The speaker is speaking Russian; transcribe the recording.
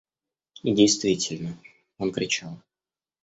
И действительно, он кричал.